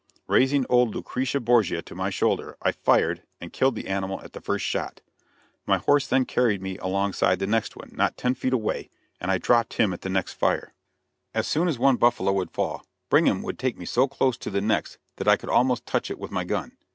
Raising old "Lucretia Borgia" to my shoulder, I fired, and killed the animal at the first shot. My horse then carried me alongside the next one, not ten feet away, and I dropped him at the next fire. As soon as one buffalo would fall, Brigham would take me so close to the next, that I could almost touch it with my gun.